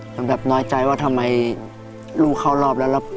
แบบน้อยใจว่าทำไมลูกเขารอบแล้ว